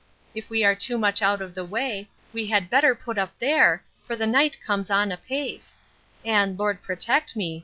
—If we are so much out of the way, we had better put up there, for the night comes on apace: And, Lord protect me!